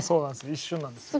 一瞬なんですけど。